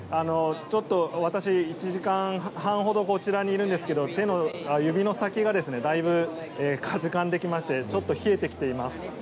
ちょっと私、１時間半ほどこちらにいるんですけど指の先がだいぶかじかんできましてちょっと冷えてきています。